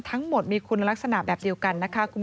ทั้งหมดมีคุณลักษณะแบบเดียวกัน